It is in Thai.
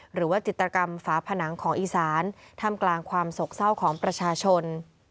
หรือว่าจิตรกรรมฝาผนังของอีสานท่ามกลางความโศกเศร้าของประชาชน